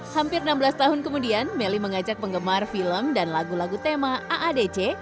hampir enam belas tahun kemudian melly mengajak penggemar film dan lagu lagu tema aadc